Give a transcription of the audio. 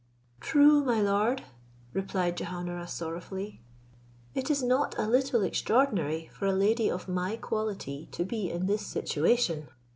"True, my lord," replied Jehaun ara, sorrowfully; "it is not a little extraordinary for a lady of my quality to be in this situation.